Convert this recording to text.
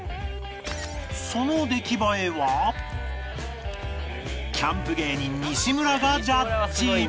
その出来栄えはキャンプ芸人西村がジャッジ